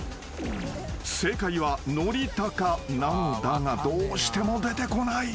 ［正解は「のりたか」なのだがどうしても出てこない］